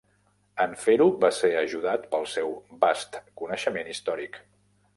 En fer-ho, va ser ajudat pel seu vast coneixement històric.